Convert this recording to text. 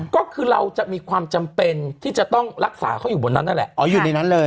ก็คือเราจะมีความจำเป็นที่จะต้องรักษาเขาอยู่บนนั้นนั่นแหละอ๋ออยู่ในนั้นเลย